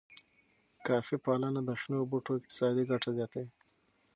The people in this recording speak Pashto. کافی پالنه د شنو بوټو اقتصادي ګټه زیاتوي.